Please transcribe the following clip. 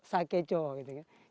sakeco gitu kan